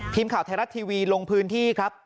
ทีมข่าวไทยรัฐทีวีลงพื้นที่ครับ